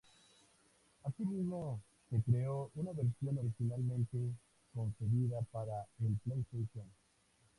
Asimismo, se creó una versión originalmente concebida para el PlayStation.